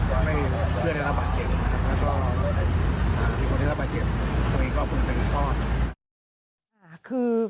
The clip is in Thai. แล้วก็มีคนได้รับบาดเจ็บตัวเองก็เอาปืนไปซ่อน